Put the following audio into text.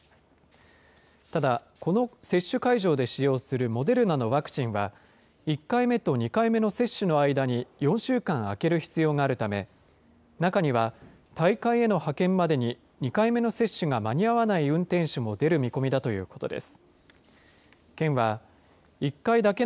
ただ、この接種会場で使用するモデルナのワクチンは、１回目と２回目の接種の間に４週間空ける必要があるため、中には大会への派遣までに、２回目の接種が間に合わない運転手も出る見込みだということです。